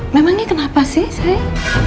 memangnya kenapa sih say